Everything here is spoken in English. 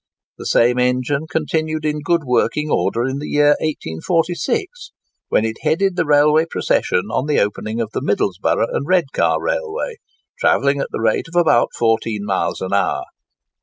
The same engine continued in good working order in the year 1846, when it headed the railway procession on the opening of the Middlesborough and Redcar Railway, travelling at the rate of about fourteen miles an hour.